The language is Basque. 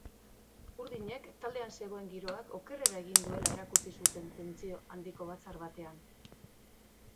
Urdinek taldean zegoen giroak okerrera egin duela erakutsi zuten tentsio handiko batzar batean.